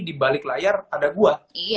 di balik layar ada gua